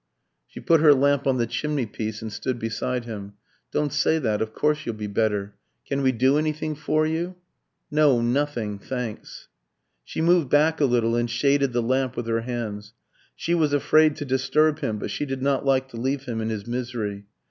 She put her lamp on the chimneypiece and stood beside him. "Don't say that; of course you'll be better. Can we do anything for you?" "No; nothing thanks." She moved back a little, and shaded the lamp with her hands. She was afraid to disturb him, but she did not like to leave him in his misery.